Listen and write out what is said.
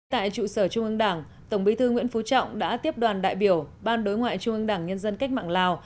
tại trụ sở trung ương đảng tổng bí thư nguyễn phú trọng đã tiếp đoàn đại biểu ban đối ngoại trung ương đảng nhân dân cách mạng lào